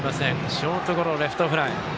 ショートゴロ、レフトフライ。